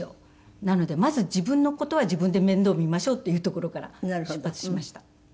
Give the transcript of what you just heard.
なのでまず自分の事は自分で面倒見ましょうっていうところから出発しました。